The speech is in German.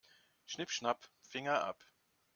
Schnipp-schnapp, Finger ab.